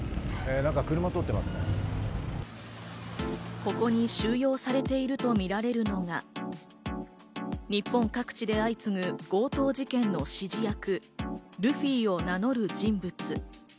ここに収容されているとみられるのが、日本各地で相次ぐ強盗事件の指示役・ルフィを名乗る人物。